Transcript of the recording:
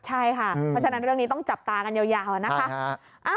ใช่ค่ะเพราะฉะนั้นเรื่องนี้ต้องจับตากันยาวนะคะ